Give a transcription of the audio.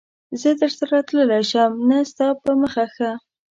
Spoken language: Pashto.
زه درسره تللای شم؟ نه، ستا په مخه ښه.